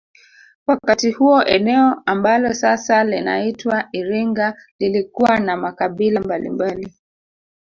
Wakati huo eneo ambalo sasa linaitwa iringa lilikuwa na makabila mbalimbali